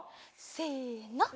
せの。